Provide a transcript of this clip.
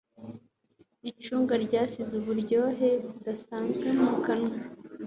Icunga ryasize uburyohe budasanzwe mu kanwa